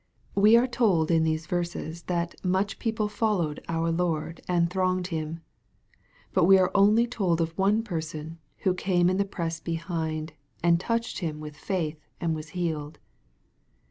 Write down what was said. We are told in these verses that " much people followed" our Lord, " and thronged him." But we arc only told of one person who " came in the press behind," and touched Him with faith and was healed.